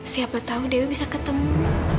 siapa tahu dewi bisa ketemu